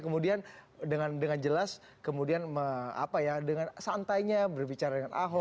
kemudian dengan jelas kemudian santainya berbicara dengan aho